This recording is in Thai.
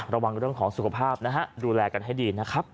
ระวังเรื่องของสุขภาพนะฮะดูแลกันให้ดีนะครับ